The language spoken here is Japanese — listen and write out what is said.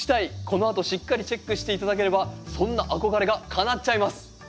このあとしっかりチェックして頂ければそんな憧れがかなっちゃいます。